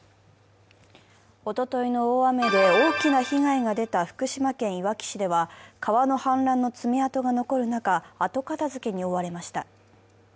おとといの大雨で大きな被害が出た福島県いわき市では川の氾濫の爪痕が残る中、後片づけに追われました。